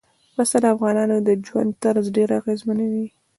پسه د افغانانو د ژوند طرز ډېر اغېزمنوي.